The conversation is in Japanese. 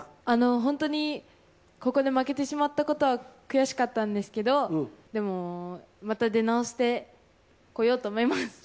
あの本当にここで負けてしまったことは悔しかったんですけどでもまた出直してこようと思います。